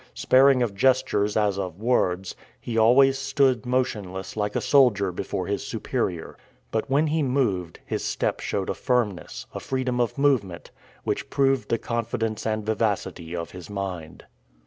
Sparing of gestures as of words, he always stood motionless like a soldier before his superior; but when he moved, his step showed a firmness, a freedom of movement, which proved the confidence and vivacity of his mind.